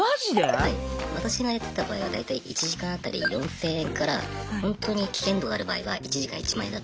私がやってた場合は大体１時間当たり４千円からホントに危険度がある場合は１時間１万円だったりします。